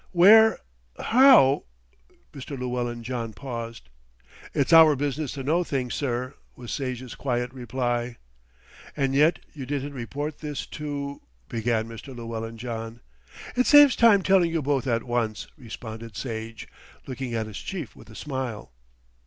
"Where how ?" Mr. Llewellyn John paused. "It's our business to know things, sir," was Sage's quiet reply. "And yet you didn't report this to " began Mr. Llewellyn John. "It saves time telling you both at once," responded Sage, looking at his chief with a smile.